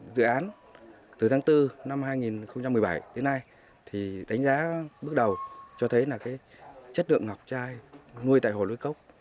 dự án từ tháng bốn năm hai nghìn một mươi bảy đến nay đánh giá bước đầu cho thấy chất lượng ngọc chai nuôi tại hồ núi cốc